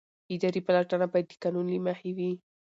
اداري پلټنه باید د قانون له مخې وي.